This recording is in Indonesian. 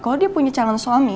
kalau dia punya calon suami